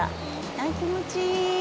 あぁ気持ちいい。